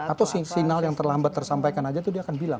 atau sinal yang terlambat tersampaikan aja itu dia akan bilang